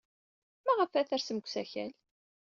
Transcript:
Maɣef ara tersem seg usakal?